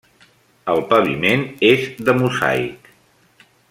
El paviment és de mosaic.